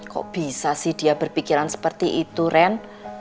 kok bisa sih dia berpikiran seperti itu ren